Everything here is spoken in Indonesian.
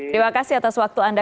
terima kasih atas waktu anda